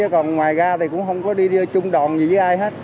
còn ngoài ra thì cũng không có đi chung đòn gì với ai hết